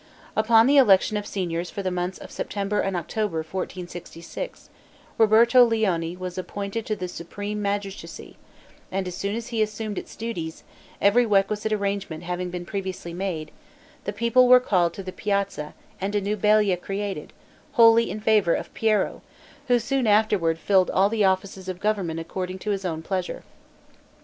Upon the election of Signors for the months of September and October, 1466, Roberto Lioni was appointed to the supreme magistracy, and as soon as he assumed its duties, every requisite arrangement having been previously made, the people were called to the piazza, and a new Balia created, wholly in favor of Piero, who soon afterward filled all the offices of government according to his own pleasure.